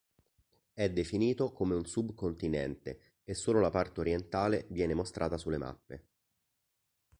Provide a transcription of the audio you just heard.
È definito come un subcontinente e solo la parte orientale viene mostrata sulle mappe.